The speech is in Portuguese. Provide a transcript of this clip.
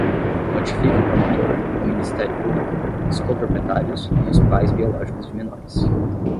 Notifique o promotor, o Ministério Público, os coproprietários e os pais biológicos de menores.